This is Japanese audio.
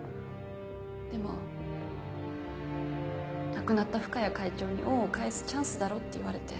でも亡くなった深谷会長に恩を返すチャンスだろって言われて。